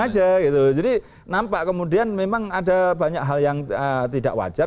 jadi nampak kemudian memang ada banyak hal yang tidak wajar